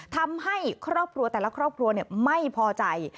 ทำให้ครอบครัวแต่ละครอบครัวไม่พอใจ